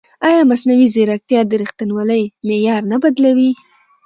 ایا مصنوعي ځیرکتیا د ریښتینولۍ معیار نه بدلوي؟